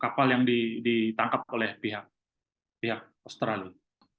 kapal yang ditangkap oleh pihak australia